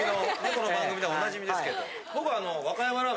この番組ではおなじみですけど僕は。